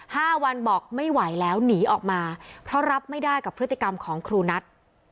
ห้าวันบอกไม่ไหวแล้วหนีออกมาเพราะรับไม่ได้กับพฤติกรรมของครูนัท